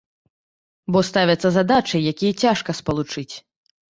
Бо ставяцца задачы, якія цяжка спалучыць.